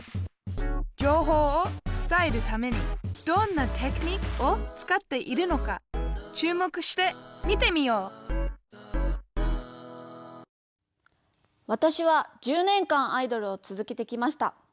情報を伝えるためにどんなテクニックを使っているのか注目して見てみようわたしは１０年間アイドルを続けてきました。